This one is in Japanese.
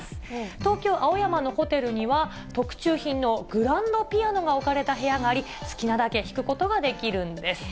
東京・青山のホテルには、特注品のグランドピアノが置かれた部屋があり、好きなだけ弾くことができるんです。